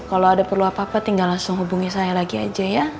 kalau ada perlu apa apa tinggal langsung hubungi saya lagi aja ya